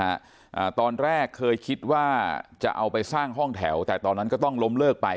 อ่าตอนแรกเคยคิดว่าจะเอาไปสร้างห้องแถวแต่ตอนนั้นก็ต้องล้มเลิกไป